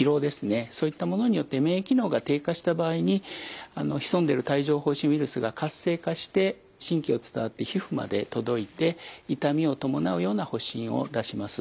そういったものによって免疫機能が低下した場合に潜んでいる帯状ほう疹ウイルスが活性化して神経を伝わって皮膚まで届いて痛みを伴うような発疹を出します。